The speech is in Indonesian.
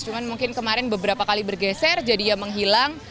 cuma mungkin kemarin beberapa kali bergeser jadi ya menghilang